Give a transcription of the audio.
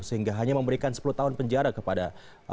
sehingga hanya memberikan sepuluh tahun penjara kepada